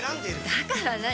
だから何？